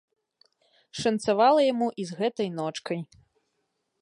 Шанцавала яму і з гэтай ночкай.